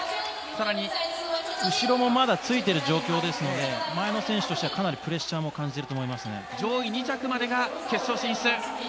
後ろもまだついている状況ですので前の選手としてはかなりプレッシャーを上位２着までが決勝進出。